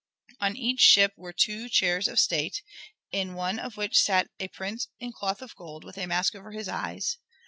On each ship were two chairs of state, in one of which sat a prince in cloth of gold, with a mask over his eyes.